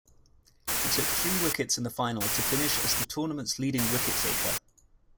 He took three wickets in the final to finish as the tournament's leading wicket-taker.